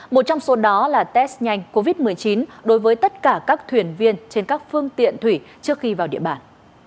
một trong số đó là test nhanh covid một mươi chín đối với tất cả các thuyền viên trên các phương tiện thủy trước khi vào địa bàn